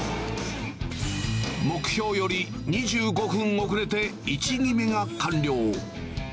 目標より２５分遅れてが完了。